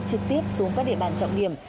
trực tiếp xuống các địa bàn trọng điểm